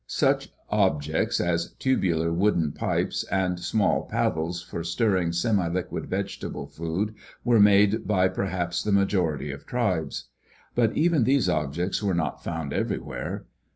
Such objects as tubular wooden pipes and small paddles for stirring semi liquid vegetable food were made by perhaps the majority of tribes. But even these objects were not found everywhere.